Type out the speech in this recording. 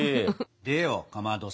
でよかまどさん。